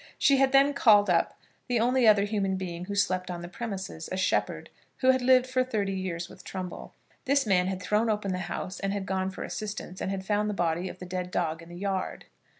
She had then called up the only other human being who slept on the premises, a shepherd, who had lived for thirty years with Trumbull. This man had thrown open the house, and had gone for assistance, and had found the body of the dead dog in the yard.